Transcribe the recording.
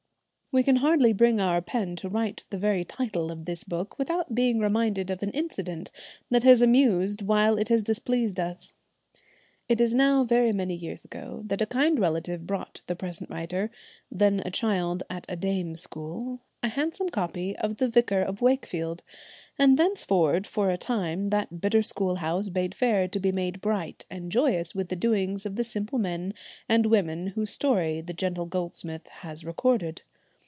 We can hardly bring our pen to write the very title of this book without being reminded of an incident that has amused while it has displeased us. It is now very many years ago that a kind relative brought the present writer, then a child at a dame's school, a handsome copy of the 'Vicar of Wakefield,' and thenceforward for a time that bitter schoolhouse bade fair to be made bright and joyous with the doings of the simple men and women whose story the gentle Goldsmith has recorded.